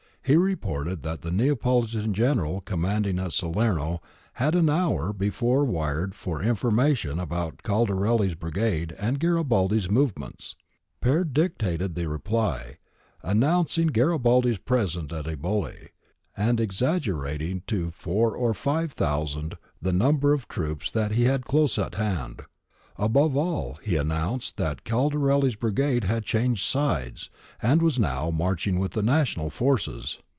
He reported that the Neapolitan general commanding at Salerno had an hour before wired for information about Caldarelli's brigade and Garibaldi's movements. Peard dictated the reply, announcing Garibaldi's presence at Eboli and ex aggerating to four or five thousand the number of troops that he had close at hand. Above all, he announced that Caldarelli's brigade had changed sides and was now marching with the national forces.